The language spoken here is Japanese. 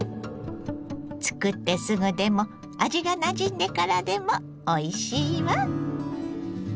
作ってすぐでも味がなじんでからでもおいしいわ。